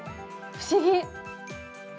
不思議！